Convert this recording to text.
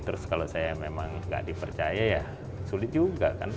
terus kalau saya memang nggak dipercaya ya sulit juga kan